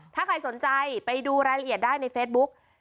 ถ้าใครสนใจไปดูรายละเอียดได้ในเฟซบุ๊ก